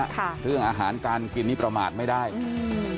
ค่ะเรื่องอาหารการกินนี่ประมาทไม่ได้อืม